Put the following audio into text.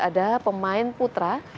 ada pemain putra